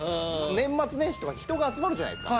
年末年始とか人が集まるじゃないですか。